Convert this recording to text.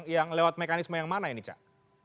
yang lewat mekanisme yang mana ini cak